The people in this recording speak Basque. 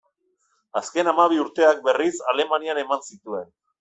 Azken hamabi urteak, berriz, Alemanian eman zituen.